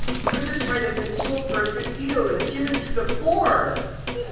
(9)For this might have been sold for much, and given to the poor.